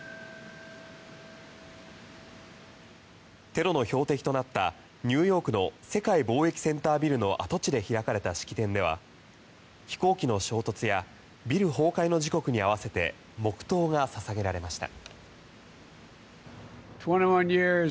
テロの標的となったニューヨークの世界貿易センタービルの跡地で開かれた式典では飛行機の衝突やビル崩壊の時刻に合わせて黙祷が捧げられました。